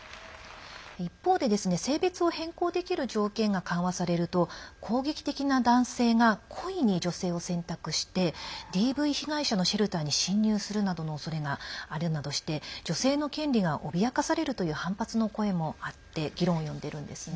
一方で、性別を変更できる条件が緩和されると攻撃的な男性が故意に女性を選択してＤＶ被害者のシェルターに侵入するなどのおそれがあるなどして女性の権利が脅かされるという反発の声もあって議論を呼んでるんですね。